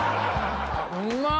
うまっ！